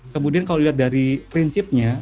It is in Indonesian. kemudian kalau dilihat dari prinsipnya